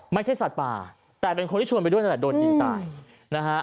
ไม่ใช่สัตว์ป่าแต่เป็นคนที่ชวนไปด้วยนั่นแหละโดนยิงตายนะฮะ